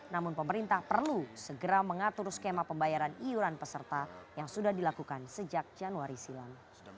namun pemerintah perlu segera mengatur skema pembayaran iuran peserta yang sudah dilakukan sejak januari silam